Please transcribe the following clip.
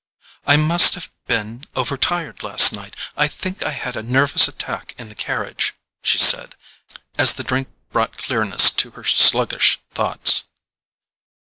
"I must have been over tired last night; I think I had a nervous attack in the carriage," she said, as the drink brought clearness to her sluggish thoughts.